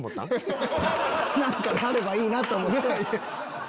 何かあればいいなと思って。